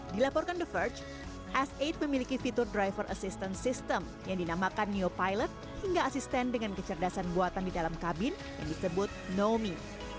dilaporkan the verge s delapan memiliki fitur driver assistance system yang dinamakan neopilot hingga asisten dengan kecerdasan buatan di dalam kabin yang disebut nomi